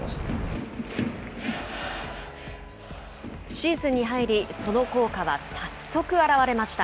シーズンに入り、その効果は早速表れました。